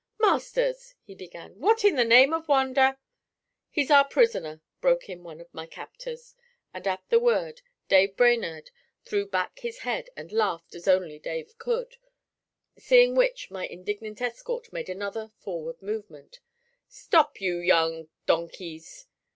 'Masters,' he began, 'what in the name of wonder ' 'He's our prisoner,' broke in one of my captors; and at the word Dave Brainerd threw back his head and laughed as only Dave could, seeing which my indignant escort made another forward movement. 'Stop, you young donkeys!'